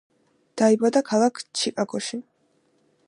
დაიბადა ქალაქ ჩიკაგოში.